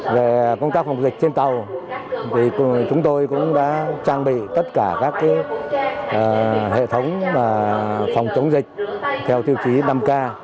về công tác phòng dịch trên tàu chúng tôi cũng đã trang bị tất cả các hệ thống phòng chống dịch theo tiêu chí năm k